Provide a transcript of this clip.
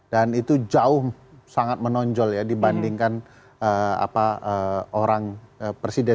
dan itu jauh sangat menonjol ya dibandingkan apa orang presiden